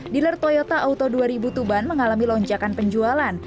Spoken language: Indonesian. dealer toyota auto dua ribu tuban mengalami lonjakan penjualan